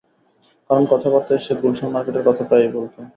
কারণ কথাবার্তায় সে গুলশান মার্কেটের কথা প্রায়ই বলত।